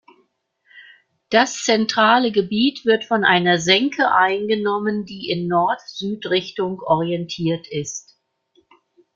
Das zentrale Gebiet wird von einer Senke eingenommen, die in Nord-Süd-Richtung orientiert ist.